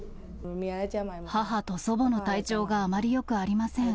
母と祖母の体調があまりよくありません。